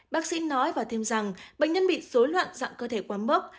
bác sĩ nói và thêm rằng bệnh nhân bị dối loạn dạng cơ thể quá mốc